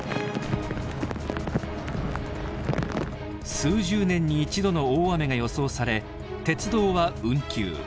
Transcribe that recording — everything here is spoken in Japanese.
数十年に一度の大雨が予想され鉄道は運休。